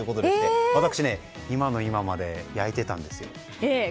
私、今の今まで焼いていたんですよ。